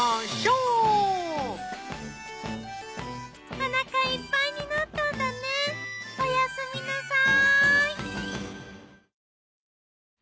おなかいっぱいになったんだねおやすみなさい。